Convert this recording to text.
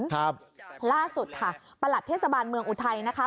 ครับล่าสุดค่ะประหลัดเทศบาลเมืองอุทัยนะคะ